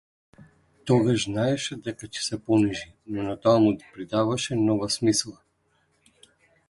Тогаш знаеше дека ќе се понижи, но на тоа му придаваше нова смисла.